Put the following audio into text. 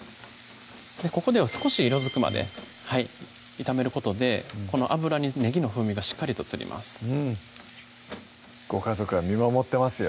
ここでは少し色づくまで炒めることでこの油にねぎの風味がしっかりと移りますご家族が見守ってますよ